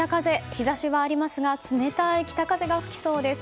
日差しはありますが冷たい北風が吹きそうです。